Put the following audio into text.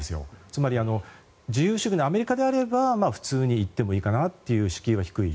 つまり自由主義のアメリカであれば普通に行ってもいいかなという敷居は低い。